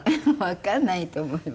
わかんないと思います。